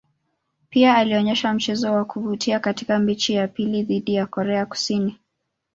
Pia alionyesha mchezo wa kuvutia katika mechi ya pili dhidi ya Korea Kusini.